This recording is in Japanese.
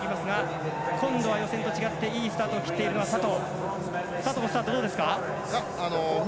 今度は予選と違っていいスタートを切っている佐藤。